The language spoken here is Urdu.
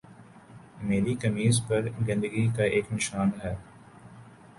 میری قمیض پر گندگی کا ایک نشان ہے